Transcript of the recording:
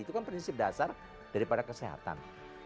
itu kan prinsip dasar daripada kesehatan